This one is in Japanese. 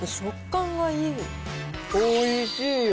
おいしいよ。